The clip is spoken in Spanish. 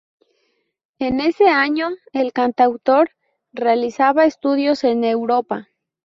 En ese año el cantautor realizaba estudios en Europa.